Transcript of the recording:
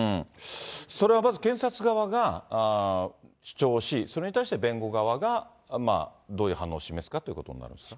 それはまず検察側が主張し、それに対して弁護側がどういう反応を示すかということになりますか。